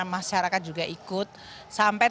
masyarakat juga ikut sampai